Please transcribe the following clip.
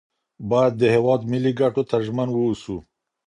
باید د هیواد ملي ګټو ته ژمن اوسو.